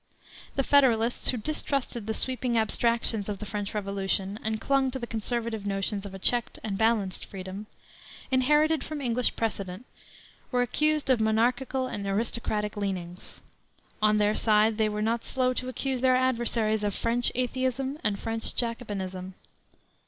The Federalists, who distrusted the sweeping abstractions of the French Revolution, and clung to the conservative notions of a checked and balanced freedom, inherited from English precedent, were accused of monarchical and aristocratic leanings. On their side they were not slow to accuse their adversaries of French atheism and French Jacobinism.